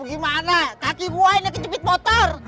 gimana kaki buah ini kejepit motor